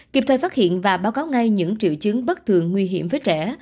kịp thời phát hiện và báo cáo ngay những triệu chứng bất thường nguy hiểm với trẻ